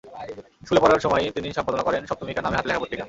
স্কুলে পড়ার সময়ই তিনি সম্পাদনা করেন সপ্তমিকা নামে হাতে লেখা পত্রিকা।